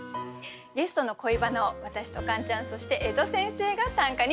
ゲストの恋バナを私とカンちゃんそして江戸先生が短歌に詠みます。